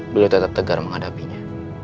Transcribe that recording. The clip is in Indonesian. beliau tetap tegar mengadapinya